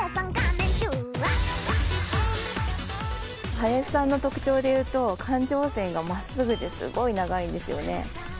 林さんの特徴でいうと感情線が真っすぐですごい長いんですよね。